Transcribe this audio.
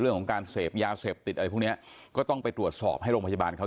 ซึ่งเป็นบุคคลที่ความรู้สึกว่าจะเป็นคนแม่นะครับแล้วก็อาจารย์ทนายความนะครับ